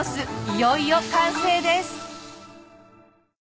いよいよ完成です！